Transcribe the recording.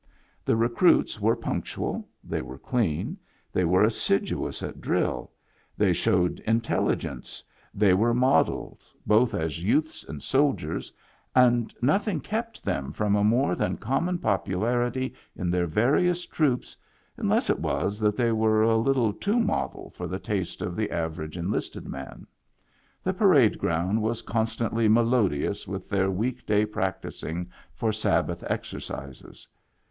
The recruits were punctual, they were clean, they were assiduous at drill, they showed intelligence, they were model, Digitized by Google 104 MEMBERS OF THE FAMILY both as youths and soldiers, and nothing kept them from a more than common popularity in their various troops unless it was that they were a little too model for the taste of the average en listed man. The parade ground was constantly melodious with their week day practising for Sabbath exercises.